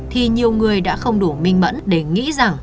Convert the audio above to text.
thì nhiều người đã không đủ minh mẫn để nghĩ rằng